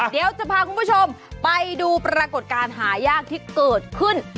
เดี๋ยวจะพาคุณผู้ชมไปดูปรากฏการณ์หายากที่เกิดขึ้น